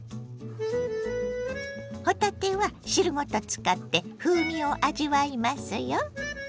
帆立ては汁ごと使って風味を味わいますよ。